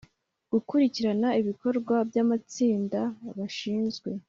gukurikirana ibikorwa by'amatsinda bashinzwe